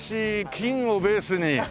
金をベースに。